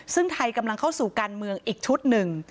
ซึ่งไทยกำลังเข้าสู่การเมืองอีกชุดหนึ่ง